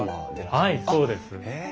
はいそうです。へえ。